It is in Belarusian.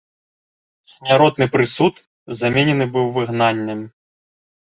Смяротны прысуд заменены быў выгнаннем.